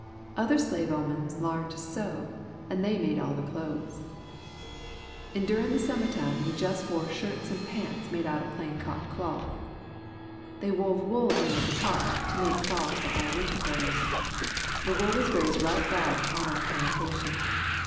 Other slave 'omans larned to sew and they made all the clothes. Endurin' the summertime we jus' wore shirts and pants made outen plain cotton cloth. They wove wool in with the cotton to make the cloth for our winter clothes. The wool was raised right thar on our plantation.